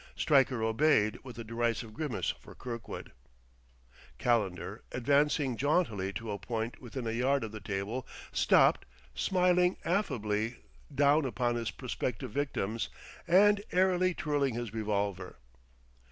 Stryker obeyed, with a derisive grimace for Kirkwood. Calendar, advancing jauntily to a point within a yard of the table, stopped, smiling affably down upon his prospective victims, and airily twirling his revolver.